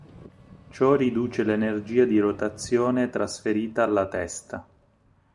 Ciò riduce l'energia di rotazione trasferita alla testa.